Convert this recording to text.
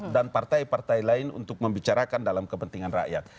dan partai partai lain untuk membicarakan dalam kepentingan rakyat